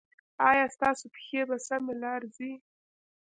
ایا ستاسو پښې په سمه لار ځي؟